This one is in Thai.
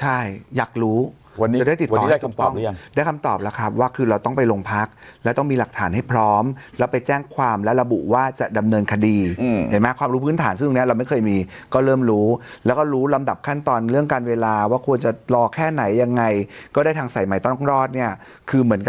ใช่อยากรู้วันนี้จะได้ติดต่อได้คำตอบแล้วครับว่าคือเราต้องไปลงพักแล้วต้องมีหลักฐานให้พร้อมแล้วไปแจ้งความและระบุว่าจะดำเนินคดีอืมเห็นไหมความรู้พื้นฐานซึ่งเนี้ยเราไม่เคยมีก็เริ่มรู้แล้วก็รู้ลำดับขั้นตอนเรื่องการเวลาว่าควรจะรอแค่ไหนยังไงก็ได้ทางใส่ใหม่ต้องรอดเนี้ยคือเหมือน